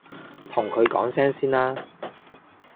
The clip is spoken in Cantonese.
同佢講聲先啦！